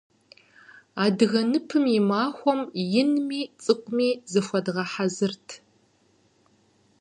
Адыгэ ныпым и махуэм инми цӏыкӏуми зыхуэдгъэхьэзырт.